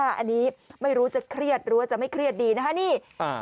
อันนี้ไม่รู้จะเคลียดหรือไม่เคลียดดีนะคะ